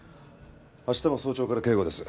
明日も早朝から警護です。